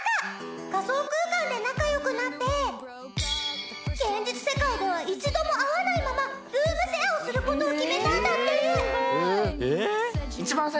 仮想空間で仲良くなって現実世界では一度も会わないままルームシェアをする事を決めたんだって！